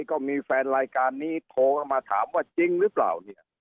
ก็มีแฟนรายการนี้โทรมาถามว่าจริงหรือเปล่า